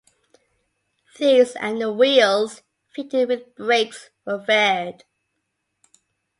These and the wheels, fitted with brakes, were faired.